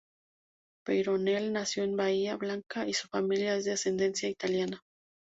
Peyronel nació en Bahía Blanca, y su familia es de ascendencia italiana.